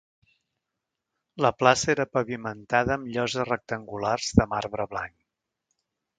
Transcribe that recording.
La plaça era pavimentada amb lloses rectangulars de marbre blanc.